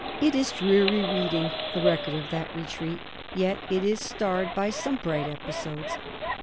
It is dreary reading the rec ord of that retreat ; yet it is starred by some bright epi sodes.